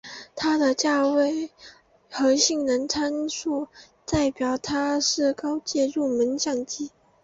它的价位和性能参数代表它是高阶入门相机。